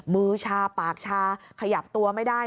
มือชาปากชาขยับตัวไม่ได้